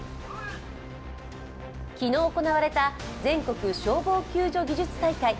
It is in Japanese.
昨日行われた全国消防救助技術大会。